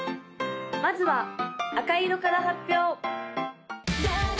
まずは赤色から発表！